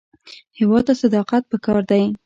هېواد ته صداقت پکار دی